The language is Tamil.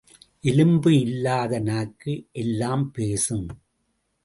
எலும்பு இல்லா நாக்கு எல்லாம் பேசும்.